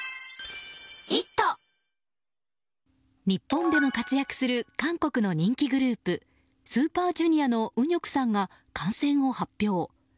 日本でも活躍する韓国の人気グループＳＵＰＥＲＪＵＮＩＯＲのウニョクさんが感染を発表。